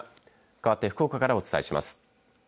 かわって福岡からお伝えします。